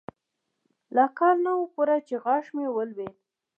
لا کال نه و پوره چې غاښ مې ولوېد.